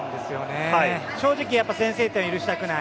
正直、先制点を許したくない。